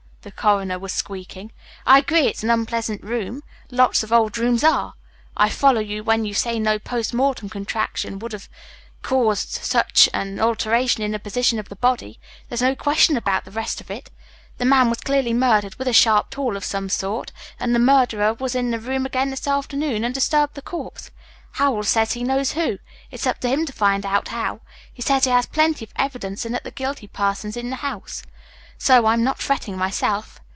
the coroner was squeaking. "I agree it's an unpleasant room. Lots of old rooms are. I follow you when you say no post mortem contraction would have caused such an alteration in the position of the body. There's no question about the rest of it. The man was clearly murdered with a sharp tool of some sort, and the murderer was in the room again this afternoon, and disturbed the corpse. Howells says he knows who. It's up to him to find out how. He says he has plenty of evidence and that the guilty person's in this house, so I'm not fretting myself.